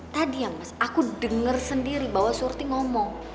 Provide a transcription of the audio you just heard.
tadi ya mas aku denger sendiri bahwa surti ngomong